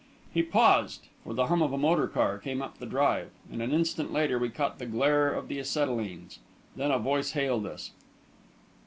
He paused, for the hum of a motor car came up the drive, and an instant later we caught the glare of the acetylenes. Then a voice hailed us.